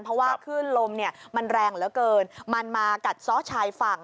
เพราะว่าขึ้นลมเนี่ยมันแรงเหลือเกินมันมากัดซ้อชายฝั่ง